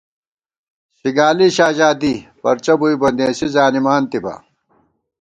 شِگالِی شاژادی، پرچہ بُوئی بہ نېسی زانِمانتِبا